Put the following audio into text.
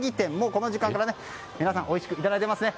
この時間から皆さんおいしくいただいていますね。